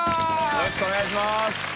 よろしくお願いします。